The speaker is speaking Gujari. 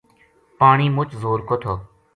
پانی مُچ زور کو تھو